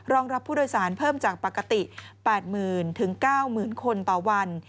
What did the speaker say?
รับผู้โดยสารเพิ่มจากปกติ๘๐๐๐๙๐๐คนต่อวัน